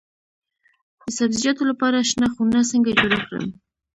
د سبزیجاتو لپاره شنه خونه څنګه جوړه کړم؟